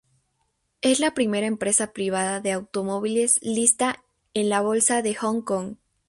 Es la primera empresa privada de automóviles listada en la Bolsa de Hong Kong.